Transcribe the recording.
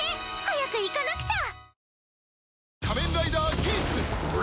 早く行かなくちゃ！